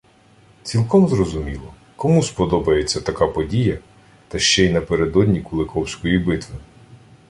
Цілком зрозуміло – кому сподобається така подія, та ще й напередодні Куликовської битви